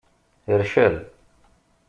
Rcel.